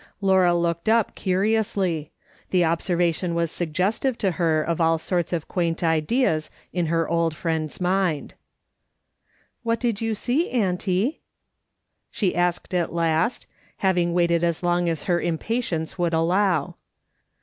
Laura looked up curiously; the observation was suggestive to her of all sorts of quaint ideas in her old friend's mind. "What did you see, auntie?" she asked at last, having waited as long as her impatience would allow.